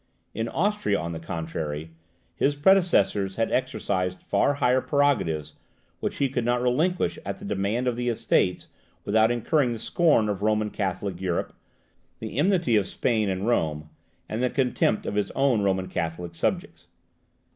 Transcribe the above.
In Austria, on the contrary, his predecessors had exercised far higher prerogatives, which he could not relinquish at the demand of the Estates without incurring the scorn of Roman Catholic Europe, the enmity of Spain and Rome, and the contempt of his own Roman Catholic subjects.